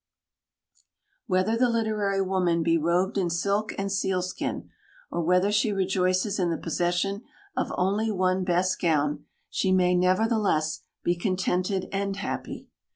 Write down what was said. Whether the literary woman be robed in silk and sealskin, or whether she rejoices in the possession of only one best gown, she may, nevertheless, be contented and happy.